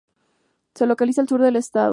Se localiza al sur del estado.